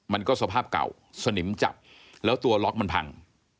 สภาพเก่าสนิมจับแล้วตัวล็อกมันพัง